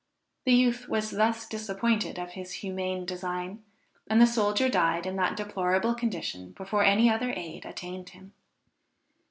The youth was thus disappointed of his humane design, and the soldier died in that deplorable condition before any other aid attained him.